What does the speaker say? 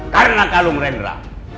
karena kamu merenggara